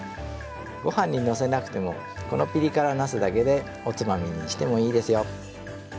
ご飯にのせなくてもこのピリ辛なすだけでおつまみにしてもいいですよ。